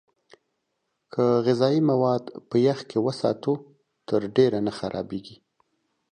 که غذايي مواد په يخ کې وساتو، تر ډېره نه خرابېږي.